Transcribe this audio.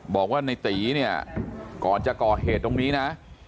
บอกว่าในตีเนี่ยก่อนจะก่อเหตุตรงนี้นะ